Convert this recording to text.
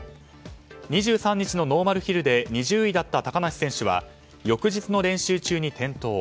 ２３日のノーマルヒルで２０位だった高梨選手は翌日の練習中に転倒。